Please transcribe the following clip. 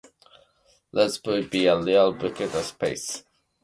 Let "V" be a real vector space.